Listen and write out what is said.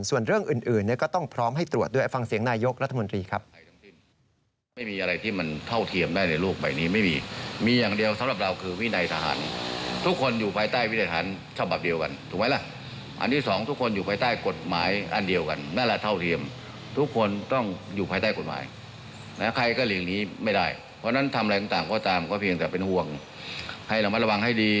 ส่วนเรื่องอื่นก็ต้องพร้อมให้ตรวจด้วยฟังเสียงนายกรัฐมนตรีครับ